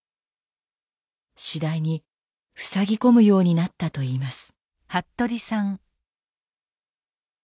次第にふさぎ込むようになったといいます。